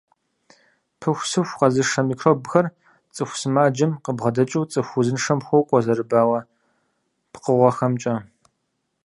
Пыхусыху къэзышэ микробхэр цӀыху сымаджэм къыбгъэдэкӀыу цӀыху узыншэм хуокӀуэ зэрыбауэ пкъыгъуэхэмкӀэ.